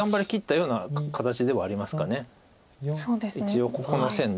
一応ここの線で。